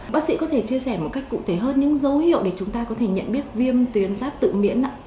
bác sĩ có thể chia sẻ một cách cụ thể hơn những dấu hiệu để chúng ta có thể nhận biết viêm tuyến giáp tự miễn